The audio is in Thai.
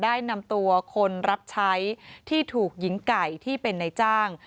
ได้นำตัวคนรับใช้ที่ถูกหญิงไก่ที่เป็นนายจ้าง